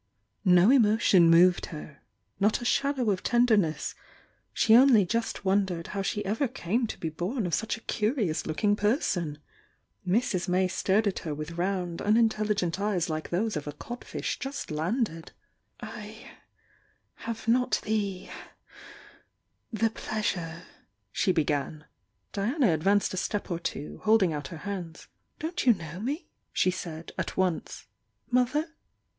No emotion moved her, — not a shadow of tenderness, — die only just wondered how she ever came to be born of such a curious looking person ! Mrs. May stared at her with round, unin telligent eyes ."ike those of a codfish just landed. "I have not the — the pleasure—" she began. Diana advanced a step or two, holding out her hands. "Don't you know me?" she said, at once — "Mother?"